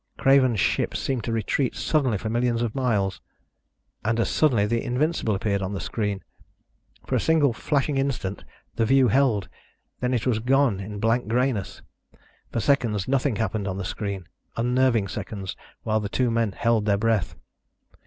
Craven's ship seemed to retreat suddenly for millions of miles ... and as suddenly the Invincible appeared on the screen. For a single flashing instant, the view held; then it was gone in blank grayness. For seconds nothing happened on the screen, unnerving seconds while the two men held their breath.